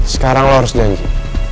sekarang lo harus janji